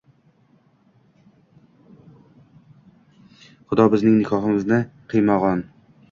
Xudo bizning nikomizni qiymag’on